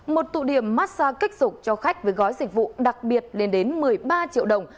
một tụ điểm massage kích dục cho khách với gói dịch vụ đặc biệt lên đến một mươi ba triệu đồng